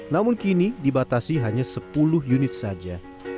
namun kini dibatasi hanya sepuluh unit saja